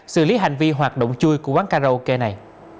xử lý hành vi hoạt động chui của quán karaoke này